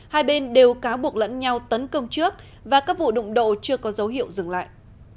hai bên đều cáo buộc lẫn nhau tấn công trước và các vụ đụng độ chưa có dấu hiệu dừng lại